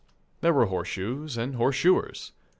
There were horseshoes and horseshoers.